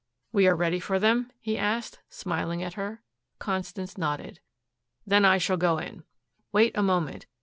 "We are ready for them?" he asked, smiling at her. Constance nodded. "Then I shall go in. Wait a moment.